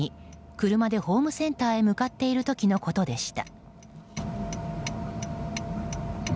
車でホームセンターに向かっている時でした。